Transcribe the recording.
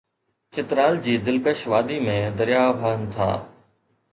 چترال جي دلڪش وادي ۾ درياهه وهن ٿا